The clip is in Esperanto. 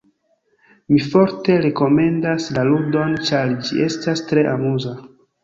Mi forte rekomendas la ludon, ĉar ĝi estas tre amuza.